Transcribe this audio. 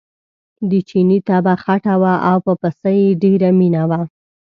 د چیني طبعه خټه وه او په پسه یې ډېره مینه وه.